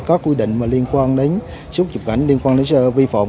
các quy định liên quan đến xuất cảnh liên quan đến vi phòng